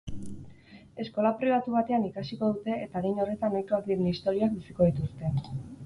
Eskola pribatu batean ikasiko dute eta adin horretan ohikoak diren istorioak biziko dituzte.